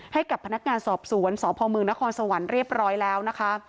ให้กับพนักงานสอบสวนสพมนครสวรรค์เรียบร้อยแล้วนะคะ